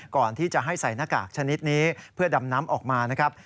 ก่อนที่จะให้ใส่หน้ากากชนิดนี้เพื่อดำน้ำออกมานะครับ